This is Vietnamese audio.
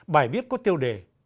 bài viết có tiêu đề